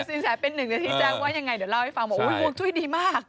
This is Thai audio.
สินแสเป็นหนึ่งนาทีแจ้งว่ายังไงเดี๋ยวเล่าให้ฟังบอกฮวงจุ้ยดีมาก